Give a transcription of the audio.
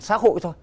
xã hội thôi